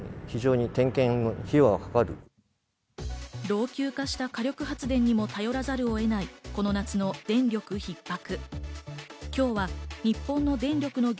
老朽化した火力発電にも頼らざるを得ないこの夏の電力ひっ迫。